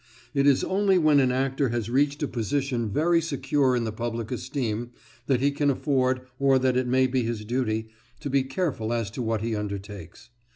It is only when an actor has reached a position very secure in the public esteem that he can afford, or that it may be his duty, to be careful as to what he undertakes.